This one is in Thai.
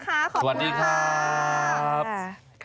ขอบคุณมากสวัสดีครับ